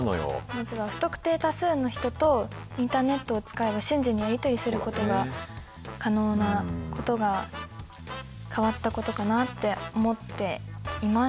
まずは不特定多数の人とインターネットを使えば瞬時にやり取りすることが可能なことが変わったことかなって思っています。